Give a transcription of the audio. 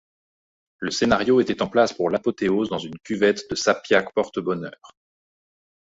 Le scénario était en place pour l’apothéose dans une cuvette de Sapiac porte bonheur.